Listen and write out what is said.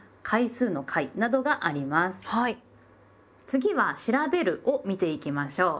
次は「『調』べる」を見ていきましょう。